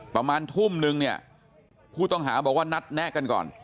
ประมาณทุ่มนึงเนี่ยผู้ต้องหาบอกว่านัดแนะกันก่อน